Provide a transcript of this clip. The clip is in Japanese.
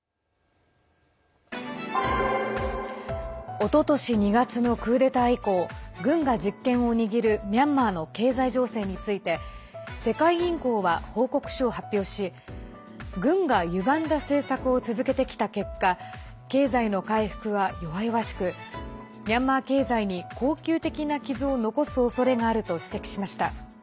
おととし２月のクーデター以降軍が実権を握るミャンマーの経済情勢について世界銀行は報告書を発表し軍がゆがんだ政策を続けてきた結果経済の回復は弱々しくミャンマー経済に恒久的な傷を残すおそれがあると指摘しました。